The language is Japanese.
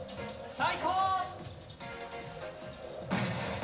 最高。